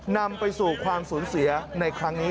นำไปสู่ความสูญเสียในครั้งนี้